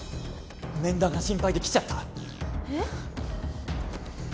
面談が心配で来ちゃったえっ？